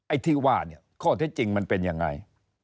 ไอ้ที่ว่าเนี่ยข้อเท็จจริงมันเป็นยังไง